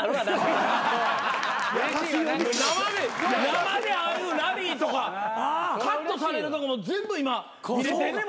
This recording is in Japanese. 生でああいうラリーとかカットされるとこも全部今見れてんねんもんな。